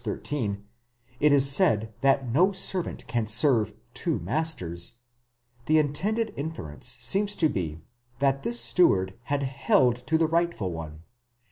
13) it is said that no servant can serve two masters, the intended inference seems to be that this steward had held to the rightful one.